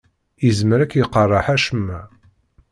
Yezmer ad k-iqerreḥ acemma.